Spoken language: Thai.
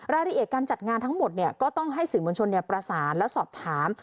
รายละเอียดการจัดงานทั้งหมดก็ต้องให้สื่อมวลชนประสานและสอบถาม